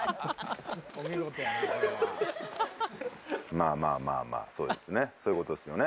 まぁまぁまぁまぁそうですね